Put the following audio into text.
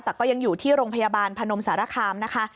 แต่ก็ยังอยู่ที่โรงพยาบาลพนมสารคามนะคะ